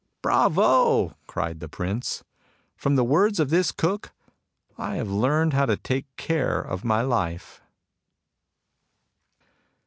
" Bravo !'* cried the Prince. " From the words of this cook I have learnt how to take care of my life."